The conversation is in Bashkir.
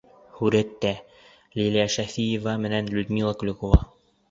ҺҮРӘТТӘ: Лилиә Шәфиева менән Людмила Клюкова.